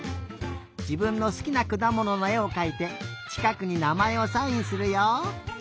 じぶんのすきなくだもののえをかいてちかくになまえをサインするよ。